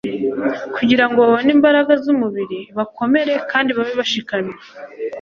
kugira ngo babone imbaraga z'umubiri, bakomere, kandi babe bashikamye